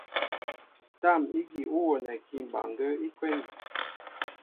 Tâm ígi ú wónɛkí mbaŋgə́ə́ í kwɛ́nī.